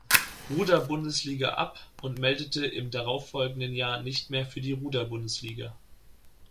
Ruder-Bundesliga ab und meldete im darauffolgenden Jahr nicht mehr für die Ruder-Bundesliga.